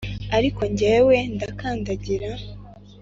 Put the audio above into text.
ariko njyewe ndakandagira,